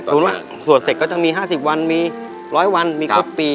สมมุติว่าสวดเสร็จก็จะมี๕๐วันมี๑๐๐วันมีครบปี